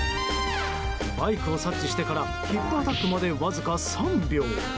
バイクを察知してからヒップアタックまでわずか３秒。